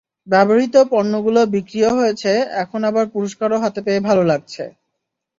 ব্যবহূত পণ্যগুলো বিক্রিও হয়েছে এখন আবার পুরস্কারও হাতে পেয়ে ভালো লাগছে।